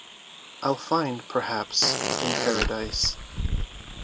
I'll find—perhaps in paradise.